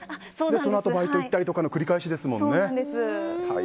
そのあと、バイト行ったりとかの繰り返しですもんね。